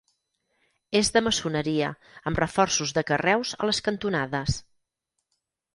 És de maçoneria amb reforços de carreus a les cantonades.